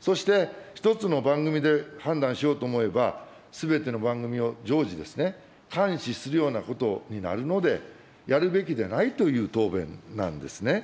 そして、１つの番組で判断しようと思えば、すべての番組を常時、監視するようなことになるので、やるべきでないという答弁なんですね。